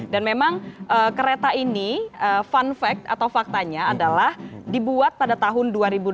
dan memang kereta ini fun fact atau faktanya adalah dibuat pada tahun dua ribu delapan